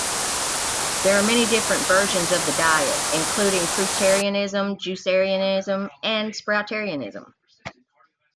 There are many different versions of the diet, including fruitarianism, juicearianism, and sproutarianism.